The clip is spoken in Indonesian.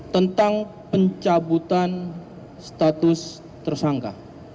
tentang pencabutan status tersangka